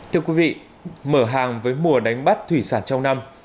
thưa quý vị mở hàng với mùa đánh bắt thủy sản trong năm